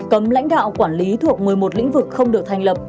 cấm lãnh đạo quản lý thuộc một mươi một lĩnh vực không được thành lập